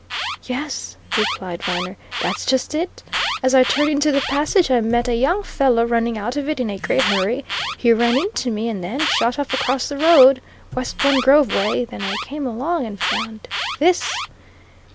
"Yes," replied Viner, "that's just it. As I turned into the passage, I met a young fellow running out of it in a great hurry he ran into me, and then, shot off across the road, Westbourne Grove way. Then I came along and found this!"